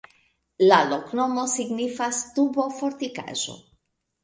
La loknomo signifas: tubo-fortikaĵo.